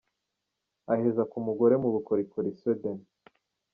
Aheza ku mugore mu bukorikori : Sweden.